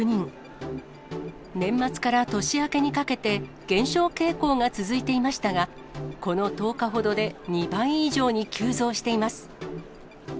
年末から年明けにかけて、減少傾向が続いていましたが、この１０日ほどで２倍以上に急増しています。